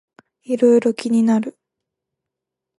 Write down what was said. いろいろ気になる